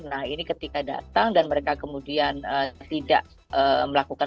nah ini ketika datang dan mereka kemudian tidak melakukan